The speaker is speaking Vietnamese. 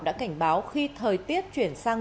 đã cảnh báo khi thời tiết chuyển sang